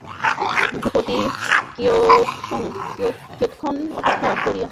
ভূপতি কিয়ৎক্ষণ অপেক্ষা করিয়া বাহিরে প্রস্থান করিল।